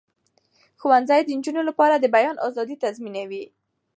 ښوونځي د نجونو لپاره د بیان آزادي تضمینوي.